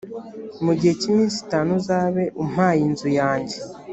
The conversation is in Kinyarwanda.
mu gihe cy’iminsi itanu uzabe umpaye inzu yajye